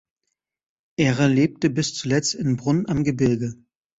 Er lebte bis zuletzt in Brunn am Gebirge.